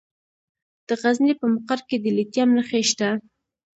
د غزني په مقر کې د لیتیم نښې شته.